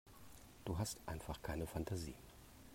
Du hast einfach keine Fantasie.